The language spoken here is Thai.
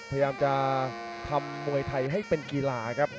พยายามจะทำมวยไทยให้เป็นกีฬาครับ